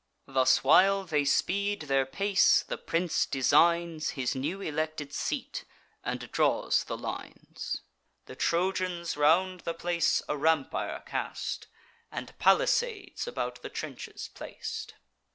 Thus while they speed their pace, the prince designs His new elected seat, and draws the lines. The Trojans round the place a rampire cast, And palisades about the trenches plac'd.